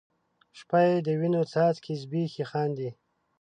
شپه یې د وینو څاڅکي زبیښي خاندي